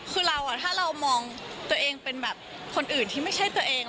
คือเราถ้าเรามองตัวเองเป็นแบบคนอื่นที่ไม่ใช่ตัวเอง